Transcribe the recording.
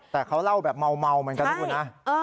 แต่เขาเล่าแบบเมาเหมือนกันนะคุณนะ